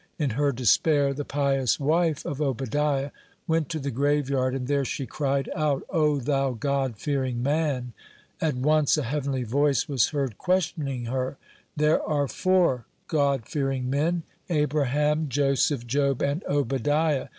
In her despair the pious wife of Obadiah (7) went to the graveyard, and there she cried out: "O thou God fearing man!" At once a heavenly voice was heard questioning her: "There are four God fearing men, Abraham, Joseph, Job, and Obadiah.